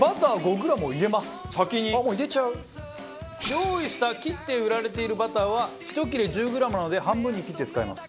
用意した切って売られているバターはひと切れ１０グラムなので半分に切って使います。